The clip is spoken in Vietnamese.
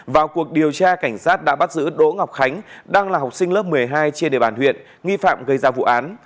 vào cuộc điều tra cảnh sát đã bắt giữ đỗ ngọc khánh đang là học sinh lớp một mươi hai trên địa bàn huyện nghi phạm gây ra vụ án